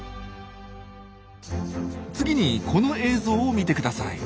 次にこの映像を見てください。